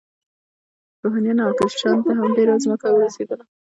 روحانیونو او کشیشانو ته هم ډیره ځمکه ورسیدله.